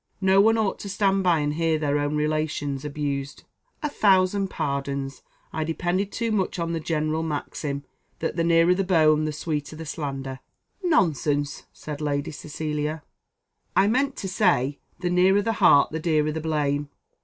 No one ought to stand by and hear their own relations abused." "A thousand pardons! I depended too much on the general maxim that the nearer the bone the sweeter the slander." "Nonsense!" said Lady Cecilia. "I meant to say, the nearer the heart the dearer the blame.